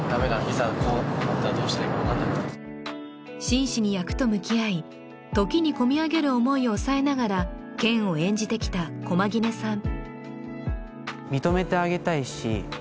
真摯に役と向き合い時にこみ上げる思いを抑えながら健を演じてきた駒木根さん